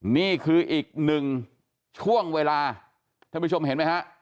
นี่คืออีกหนึ่งช่วงเวลาท่านผู้ชมเห็นไหมฮะ